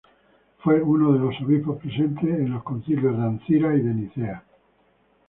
Fue uno de los obispos presentes en los Concilio de Ancira y de Nicea.